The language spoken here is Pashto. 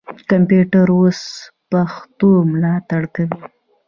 کمپیوټر اوس پښتو ملاتړ کوي.